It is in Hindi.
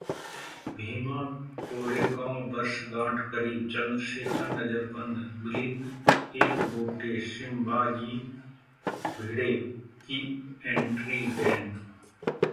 भीमा-कोरेगांव वर्षगांठ करीब, चंद्रशेखर नजरबंद, मिलिंद एकबोटे- सिंभाजी भिड़े की एंट्री बैन